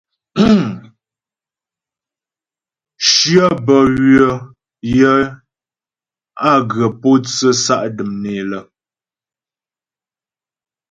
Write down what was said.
Shyə bə́ ywə̌ yə á ghə pǒtsə sa' dəm né lə.